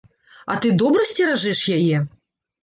А ты добра сцеражэш яе?